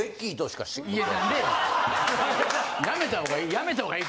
やめた方がいい！